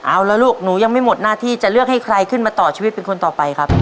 เอาละลูกหนูยังไม่หมดหน้าที่จะเลือกให้ใครขึ้นมาต่อชีวิตเป็นคนต่อไปครับ